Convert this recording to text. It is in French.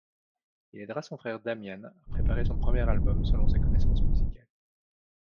Il aidera son frère Damian à préparer son premier album selon ses connaissances musicales.